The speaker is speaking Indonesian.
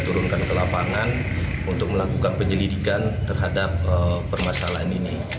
turunkan ke lapangan untuk melakukan penyelidikan terhadap permasalahan ini